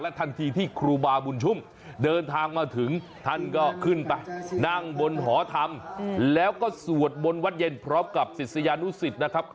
แล้วก็สวดบนวัดเย็นพร้อมกับศิษยานุสิตนะครับ